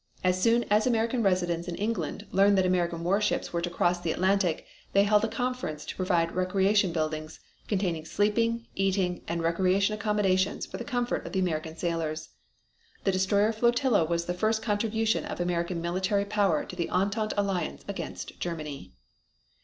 As soon as American residents in England learned that American warships were to cross the Atlantic they held a conference to provide recreation buildings, containing sleeping, eating, and recreation accommodations for the comfort of the American sailors. The destroyer flotilla was the first contribution of American military power to the Entente Alliance against Germany.